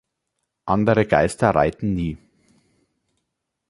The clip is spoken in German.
Andere Geister reiten nie.